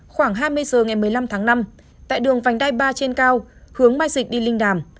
khoảng hai mươi h ngày một mươi năm tháng năm tại đường vành đai ba trên cao hướng mai dịch đi linh đàm